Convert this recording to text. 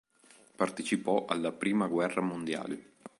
Partecipò alla Prima guerra mondiale.